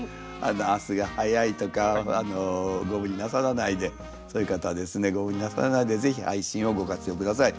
明日が早いとかご無理なさらないでそういう方はですねご無理なさらないで是非配信をご活用下さい。